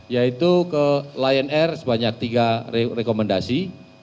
yaitu ke lion air sebanyak tiga rekomendasi